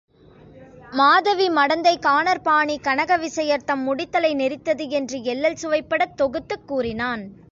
மாதவி மடந்தை கானற் பாணி கனகவிசயர் தம் முடித்தலை நெரித்தது என்று எள்ளல் சுவைபடத் தொகுத்துக் கூறினான்.